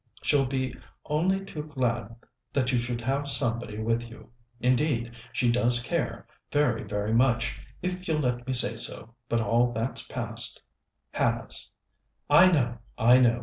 She'll be only too glad that you should have somebody with you. Indeed, she does care, very, very much, if you'll let me say so; but all that's passed has " "I know, I know!